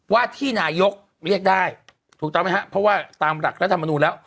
ว่าที่นายกเรียกได้ถูกต้องไหมครับเพราะว่าตามหลักรัฐมนูลแล้ว